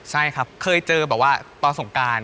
ใช่ครับเคยเจอแบบว่าตอนสงการ